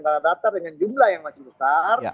tanah datar dengan jumlah yang masih besar